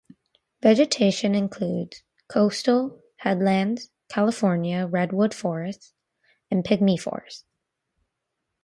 Vegetation includes Coastal Headlands, California Redwood Forests, and Pygmy forests.